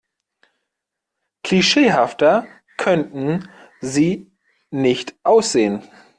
Klischeehafter könnten Sie nicht aussehen.